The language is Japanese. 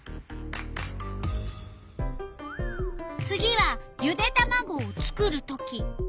次はゆでたまごを作るとき。